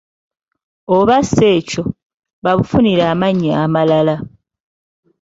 Oba si ekyo, babufunire amannya amalala.